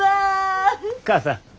母さん。